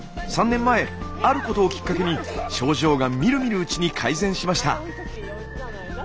３年前あることをきっかけに症状がみるみるうちに改善しました。